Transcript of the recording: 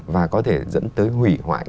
và có thể dẫn tới hủy hoại